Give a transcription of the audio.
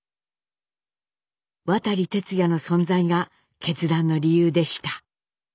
渡哲也の存在が決断の理由でした。